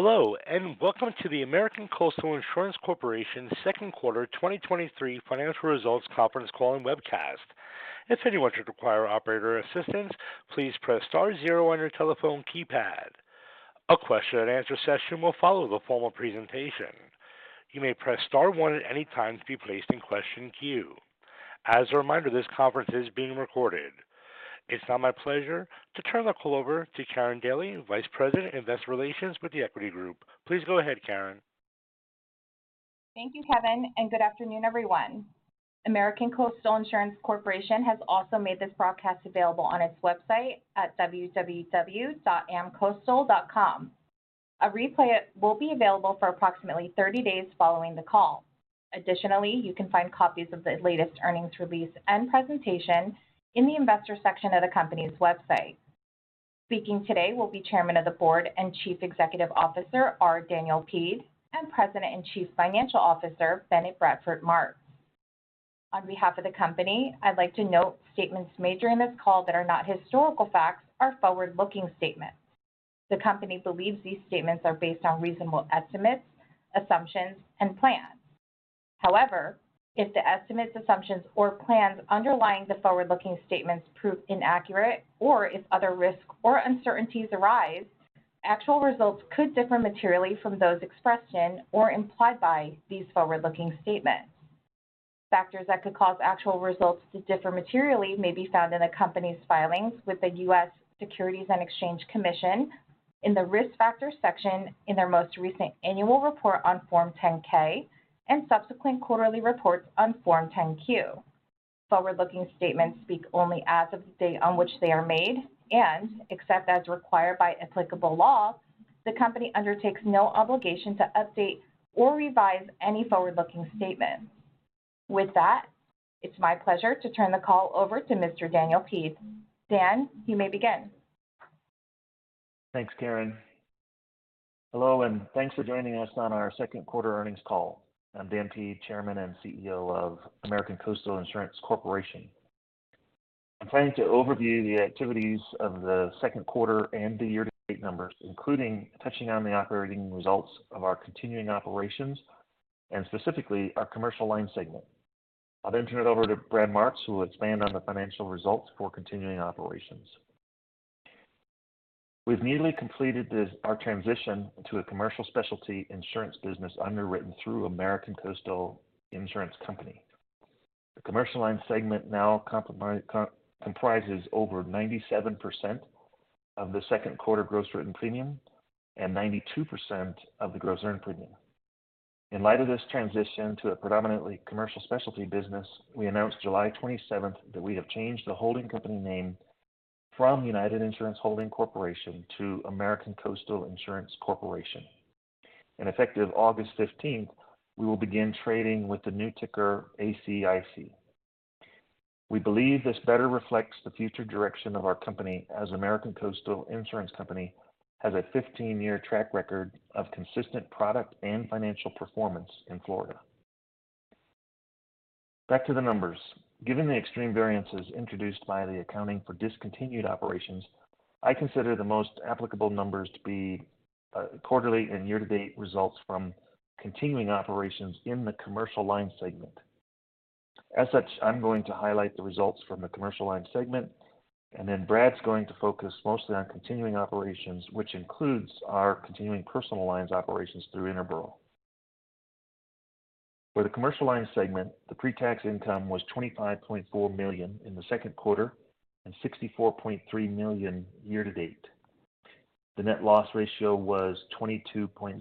Hello, welcome to the American Coastal Insurance Corporation's second quarter 2023 financial results conference call and webcast. If anyone should require operator assistance, please press star 0 on your telephone keypad. A question and answer session will follow the formal presentation. You may press star 1 at any time to be placed in question queue. As a reminder, this conference is being recorded. It's now my pleasure to turn the call over to Karin Daly, Vice President of Investor Relations with The Equity Group. Please go ahead, Karin. Thank you, Kevin. Good afternoon, everyone. American Coastal Insurance Corporation has also made this broadcast available on its website at www.amcoastal.com. A replay will be available for approximately 30 days following the call. You can find copies of the latest earnings release and presentation in the investor section of the company's website. Speaking today will be Chairman of the Board and Chief Executive Officer, R. Daniel Peed, and on behalf of the company, I'd like to note statements made during this call that are not historical facts are forward-looking statements. The company believes these statements are based on reasonable estimates, assumptions, and plans. However, if the estimates, assumptions, or plans underlying the forward-looking statements prove inaccurate or if other risks or uncertainties arise, actual results could differ materially from those expressed in or implied by these forward-looking statements. Factors that could cause actual results to differ materially may be found in the company's filings with the U.S. Securities and Exchange Commission in the Risk Factors section in their most recent annual report on Form 10-K and subsequent quarterly reports on Form 10-Q. Forward-looking statements speak only as of the date on which they are made, and except as required by applicable law, the company undertakes no obligation to update or revise any forward-looking statements. With that, it's my pleasure to turn the call over to Mr. Daniel Peed. Dan, you may begin. Thanks, Karin. Hello, thanks for joining us on our second quarter earnings call. I'm Dan Peed, Chairman and CEO of American Coastal Insurance Corporation. I'm planning to overview the activities of the second quarter and the year-to-date numbers, including touching on the operating results of our continuing operations and specifically our commercial line segment. I'll turn it over to Brad Martz, who will expand on the financial results for continuing operations. We've nearly completed this, our transition to a commercial specialty insurance business underwritten through American Coastal Insurance Company. The commercial line segment now comprises over 97% of the second quarter gross written premium and 92% of the gross earned premium. In light of this transition to a predominantly commercial specialty business, we announced July 27th that we have changed the holding company name from United Insurance Holdings Corp. to American Coastal Insurance Corporation. Effective August 15th, we will begin trading with the new ticker, ACIC. We believe this better reflects the future direction of our company as American Coastal Insurance Company has a 15-year track record of consistent product and financial performance in Florida. Back to the numbers. Given the extreme variances introduced by the accounting for discontinued operations, I consider the most applicable numbers to be quarterly and year-to-date results from continuing operations in the commercial line segment. As such, I'm going to highlight the results from the commercial line segment, and then Brad's going to focus mostly on continuing operations, which includes our continuing personal lines operations through Interboro. For the commercial line segment, the pre-tax income was $25.4 million in the second quarter and $64.3 million year-to-date. The net loss ratio was 22.0%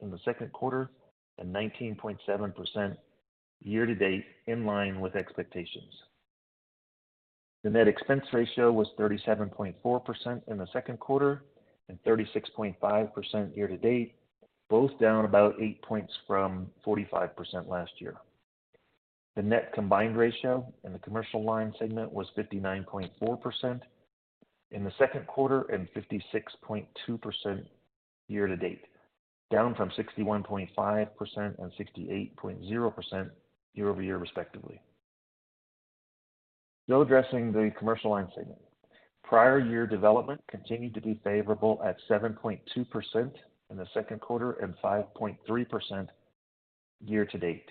in the second quarter and 19.7% year-to-date, in line with expectations. The net expense ratio was 37.4% in the second quarter and 36.5% year-to-date, both down about 8 points from 45% last year. The net combined ratio in the commercial line segment was 59.4% in the second quarter and 56.2% year-to-date, down from 61.5% and 68.0% year-over-year, respectively. Still addressing the commercial line segment. prior year development continued to be favorable at 7.2% in the second quarter and 5.3% year-to-date.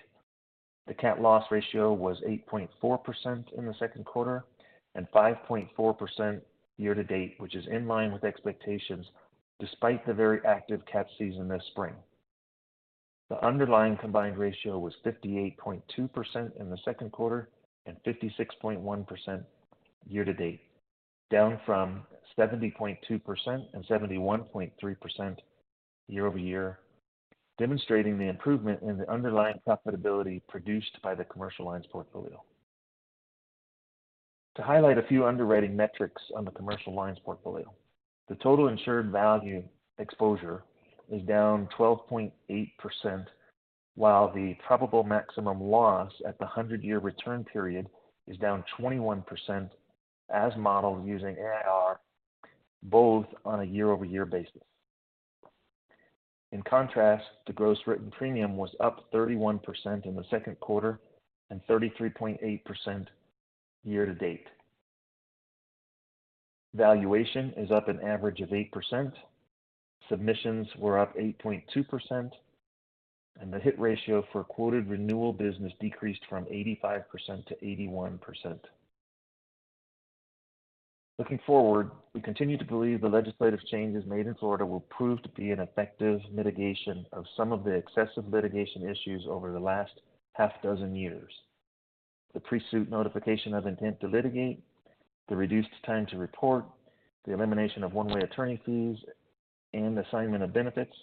The cat loss ratio was 8.4% in the second quarter and 5.4% year to date, which is in line with expectations despite the very active cat season this spring. The underlying combined ratio was 58.2% in the second quarter and 56.1% year to date, down from 70.2% and 71.3% year-over-year, demonstrating the improvement in the underlying profitability produced by the commercial lines portfolio. To highlight a few underwriting metrics on the commercial lines portfolio, the total insured value exposure is down 12.8%, while the probable maximum loss at the 100-year return period is down 21% as modeled using AIR, both on a year-over-year basis. In contrast, the gross written premium was up 31% in the second quarter and 33.8% year to date. Valuation is up an average of 8%, submissions were up 8.2%, and the hit ratio for quoted renewal business decreased from 85% to 81%. Looking forward, we continue to believe the legislative changes made in Florida will prove to be an effective mitigation of some of the excessive litigation issues over the last 6 years. The pre-suit notification of intent to litigate, the reduced time to report, the elimination of one-way attorney fees and assignment of benefits,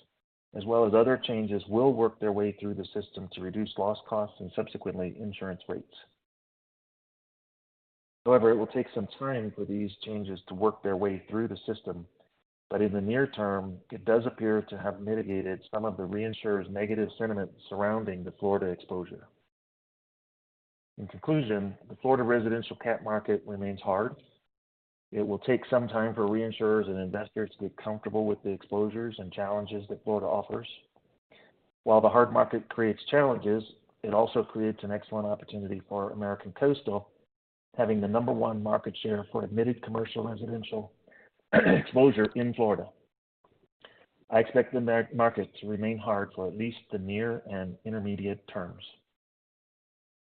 as well as other changes, will work their way through the system to reduce loss costs and subsequently insurance rates. However, it will take some time for these changes to work their way through the system, but in the near term, it does appear to have mitigated some of the reinsurers' negative sentiment surrounding the Florida exposure. In conclusion, the Florida residential cat market remains hard. It will take some time for reinsurers and investors to get comfortable with the exposures and challenges that Florida offers. While the hard market creates challenges, it also creates an excellent opportunity for American Coastal, having the number 1 market share for admitted commercial residential exposure in Florida. I expect the market to remain hard for at least the near and intermediate terms.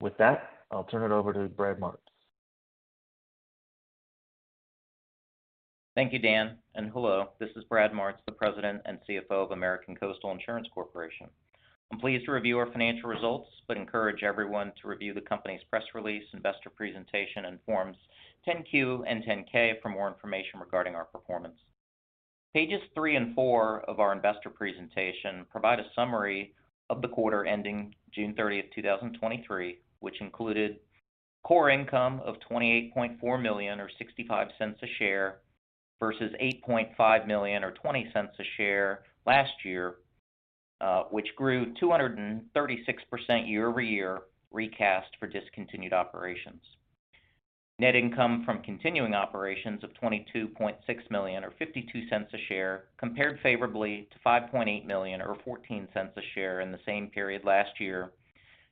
With that, I'll turn it over to Brad Martz. Thank you, Dan. Hello, this is Brad Martz, the President and CFO of American Coastal Insurance Corporation. I'm pleased to review our financial results, but encourage everyone to review the company's press release, investor presentation and Forms 10-Q and 10-K for more information regarding our performance. Pages 3 and 4 of our investor presentation provide a summary of the quarter ending June 30th, 2023, which included core income of $28.4 million or $0.65 a share, versus $8.5 million or $0.20 a share last year, which grew 236% year-over-year, recast for discontinued operations. Net income from continuing operations of $22.6 million or $0.52 a share, compared favorably to $5.8 million or $0.14 a share in the same period last year,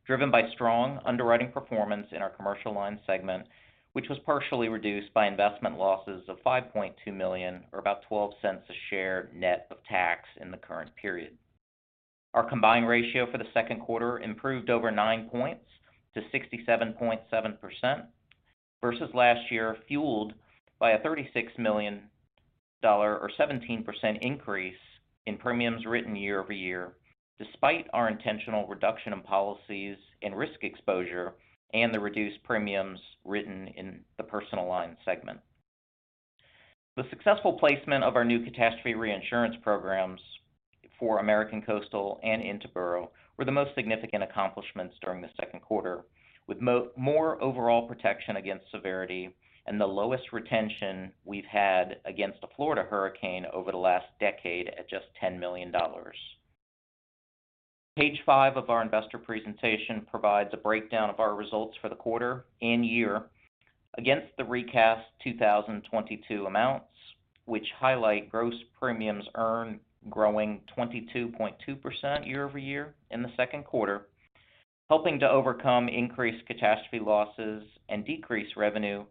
driven by strong underwriting performance in our commercial lines segment, which was partially reduced by investment losses of $5.2 million or about $0.12 a share, net of tax in the current period. Our combined ratio for the second quarter improved over nine points to 67.7% versus last year, fueled by a $36 million or 17% increase in premiums written year-over-year, despite our intentional reduction in policies and risk exposure and the reduced premiums written in the personal line segment. The successful placement of our new catastrophe reinsurance programs for American Coastal and Interboro were the most significant accomplishments during the second quarter, with more overall protection against severity and the lowest retention we've had against a Florida hurricane over the last decade, at just $10 million. Page 5 of our investor presentation provides a breakdown of our results for the quarter and year against the recast 2022 amounts, which highlight gross premiums earned growing 22.2% year-over-year in the second quarter, helping to overcome increased catastrophe losses and decrease revenue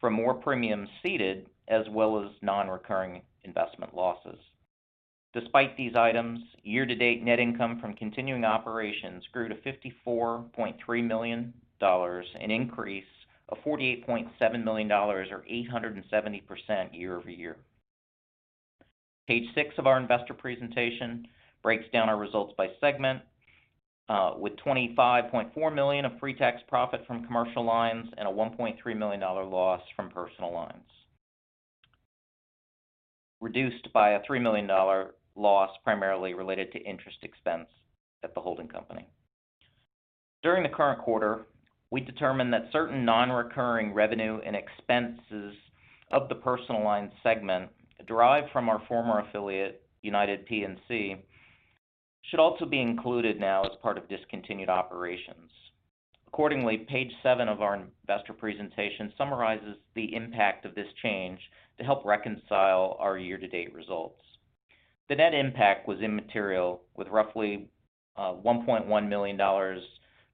from more premiums ceded, as well as non-recurring investment losses. Despite these items, year-to-date net income from continuing operations grew to $54.3 million, an increase of $48.7 million or 870% year-over-year. Page 6 of our investor presentation breaks down our results by segment, with $25.4 million of pre-tax profit from commercial lines and a $1.3 million loss from personal lines. Reduced by a $3 million loss, primarily related to interest expense at the holding company. During the current quarter, we determined that certain non-recurring revenue and expenses of the personal lines segment, derived from our former affiliate, United P&C, should also be included now as part of discontinued operations. Accordingly, page 7 of our investor presentation summarizes the impact of this change to help reconcile our year-to-date results. The net impact was immaterial, with roughly $1.1 million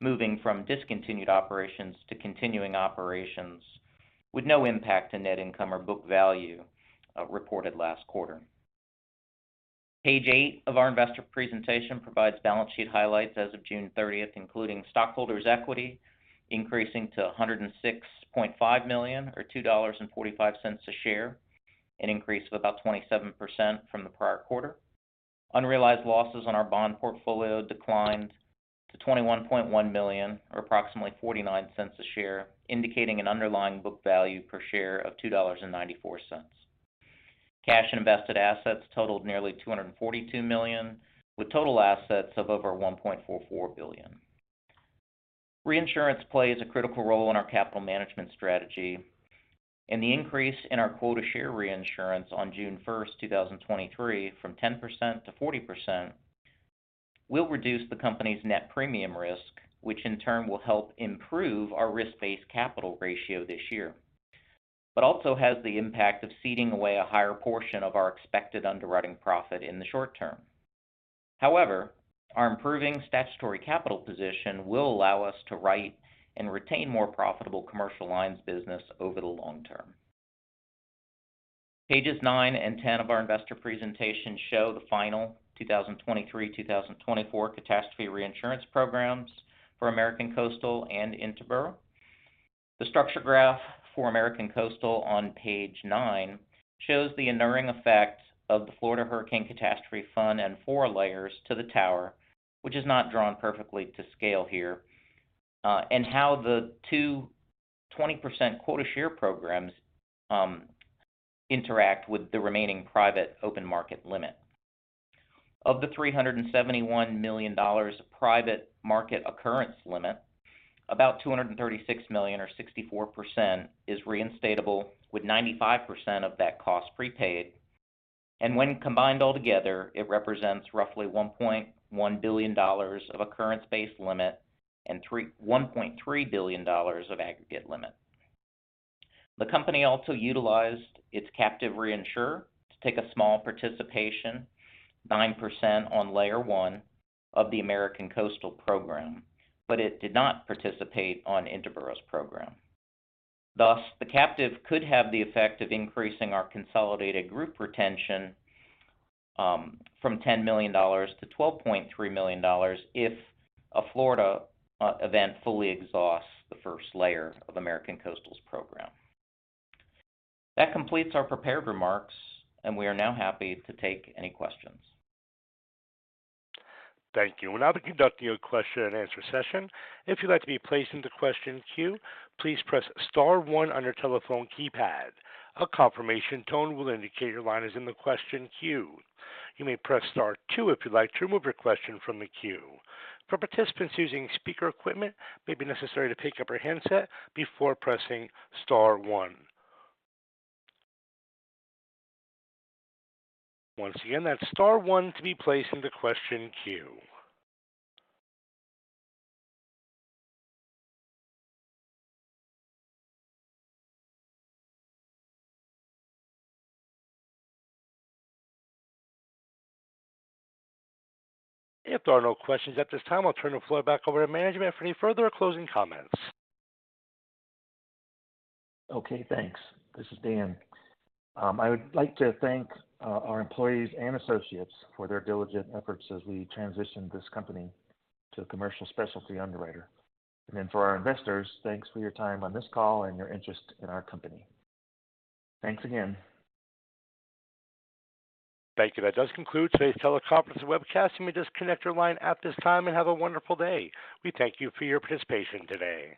moving from discontinued operations to continuing operations, with no impact to net income or book value reported last quarter. Page 8 of our investor presentation provides balance sheet highlights as of June 30th, including stockholders' equity, increasing to $106.5 million, or $2.45 a share, an increase of about 27% from the prior quarter. Unrealized losses on our bond portfolio declined to $21.1 million, or approximately $0.49 a share, indicating an underlying book value per share of $2.94. Cash and invested assets totaled nearly $242 million, with total assets of over $1.44 billion. Reinsurance plays a critical role in our capital management strategy, and the increase in our quota share reinsurance on June 1, 2023, from 10% to 40%, will reduce the company's net premium risk, which in turn will help improve our risk-based capital ratio this year. Also has the impact of ceding away a higher portion of our expected underwriting profit in the short term. However, our improving statutory capital position will allow us to write and retain more profitable commercial lines business over the long term. Pages 9 and 10 of our investor presentation show the final 2023, 2024 catastrophe reinsurance programs for American Coastal and Interboro. The structure graph for American Coastal on page 9 shows the enduring effect of the Florida Hurricane Catastrophe Fund and 4 layers to the tower, which is not drawn perfectly to scale here, and how the 2 20% quota share programs interact with the remaining private open market limit. Of the $371 million private market occurrence limit, about $236 million or 64% is reinstatable, with 95% of that cost prepaid. When combined all together, it represents roughly $1.1 billion of occurrence-based limit and $1.3 billion of aggregate limit. The company also utilized its captive reinsurer to take a small participation, 9% on layer one of the American Coastal Program, but it did not participate on Interboro's program. Thus, the captive could have the effect of increasing our consolidated group retention, from $10 million to $12.3 million if a Florida event fully exhausts the first layer of American Coastal's program. That completes our prepared remarks, and we are now happy to take any questions. Thank you. We'll now be conducting a question and answer session. If you'd like to be placed in the question queue, please press star one on your telephone keypad. A confirmation tone will indicate your line is in the question queue. You may press star two if you'd like to remove your question from the queue. For participants using speaker equipment, it may be necessary to pick up your handset before pressing star one. Once again, that's star one to be placed in the question queue. If there are no questions at this time, I'll turn the floor back over to management for any further closing comments. Okay, thanks. This is Dan. I would like to thank our employees and associates for their diligent efforts as we transition this company to a commercial specialty underwriter. Then for our investors, thanks for your time on this call and your interest in our company. Thanks again. Thank you. That does conclude today's teleconference webcast. You may disconnect your line at this time and have a wonderful day. We thank you for your participation today.